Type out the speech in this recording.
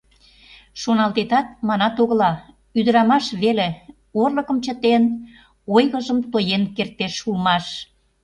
Шоналтетат... манат-огыла: ӱдырамаш веле, орлыкым чытен, ойгыжым тоен кертеш улмаш!..